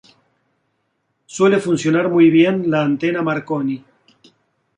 Suele funcionar muy bien la Antena Marconi.